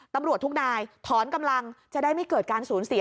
ตำรวจทุกนายถอนกำลังจะได้ไม่เกิดการสูญเสีย